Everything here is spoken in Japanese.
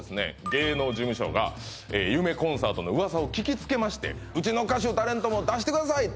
芸能事務所が夢コンサートの噂を聞きつけましてうちの歌手タレントも出してください